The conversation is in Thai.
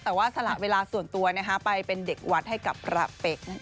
แต่ว่าสละเวลาส่วนตัวไปเป็นเด็กวัดให้กับพระเป๊กนั่นเอง